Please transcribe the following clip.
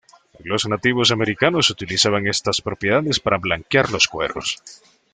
Los nativos americanos utilizaban estas propiedades para blanquear los cueros.